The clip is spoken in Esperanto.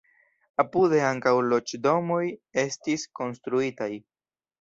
Apude ankaŭ loĝdomoj estis konstruitaj.